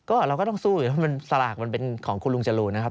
ก็เราก็ต้องสู้สลากมันเป็นของคุณลุงจรูลนะครับ